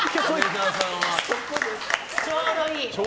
ちょうどいい。